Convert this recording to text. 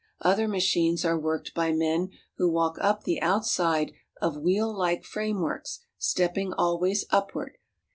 Other machines are worked by men who walk up the outside of wheel like frameworks, stepping always upward.